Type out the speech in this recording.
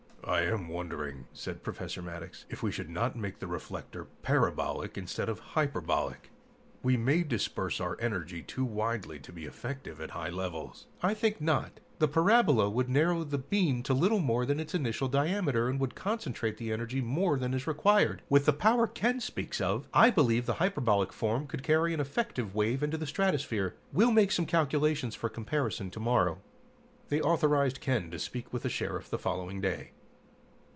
"I am wondering," said Professor Maddox, "if we should not make the reflector parabolic instead of hyperbolic. We may disperse our energy too widely to be effective at high levels." "I think not. The parabola would narrow the beam to little more than its initial diameter and would concentrate the energy more than is required. With the power Ken speaks of, I believe the hyperbolic form could carry an effective wave into the stratosphere. We'll make some calculations for comparison tomorrow." They authorized Ken to speak with the Sheriff the following day.